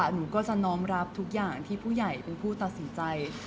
หนูก็จะน้อมรับทุกอย่างที่ผู้ใหญ่เป็นผู้ตัดสินใจ